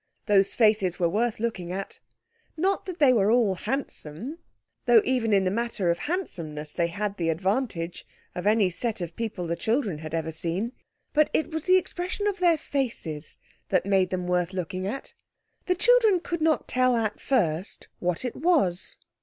Those faces were worth looking at. Not that they were all handsome, though even in the matter of handsomeness they had the advantage of any set of people the children had ever seen. But it was the expression of their faces that made them worth looking at. The children could not tell at first what it was.